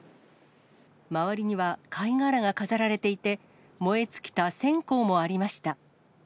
周りには、貝殻が飾られていて、燃え尽きた線香もありました。